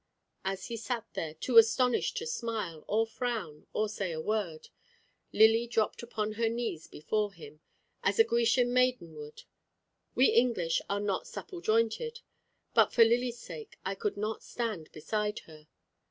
As he sat there, too astonished to smile, or frown, or say a word, Lily dropped upon her knees before him, as a Grecian maiden would. We English are not supple jointed; but for Lily's sake, I could not stand beside her.